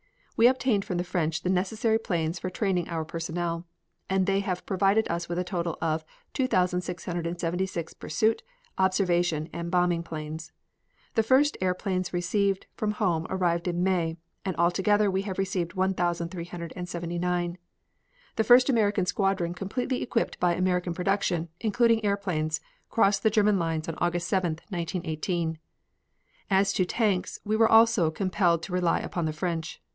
We obtained from the French the necessary planes for training our personnel, and they have provided us with a total of 2,676 pursuit, observation, and bombing planes. The first airplanes received from home arrived in May, and altogether we have received 1,379. The first American squadron completely equipped by American production, including airplanes, crossed the German lines on August 7, 1918. As to tanks, we were also compelled to rely upon the French.